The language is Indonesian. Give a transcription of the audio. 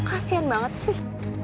kasian banget sih